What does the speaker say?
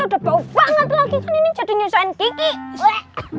ada bau banget lagi kan ini jadi nyusahin kike